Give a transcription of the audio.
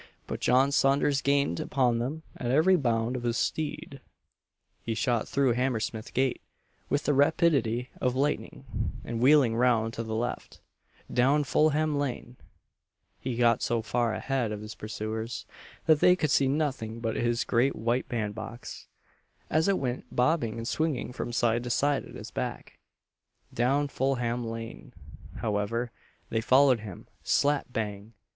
But John Saunders gained upon them at every bound of his steed; he shot through Hammersmith gate with the rapidity of lightning, and wheeling round to the left, down Fulham lane, he got so far a head of his pursuers, that they could see nothing but his great white band box as it went bobbing and swinging from side to side at his back. Down Fulham lane, however, they followed him, slap bang!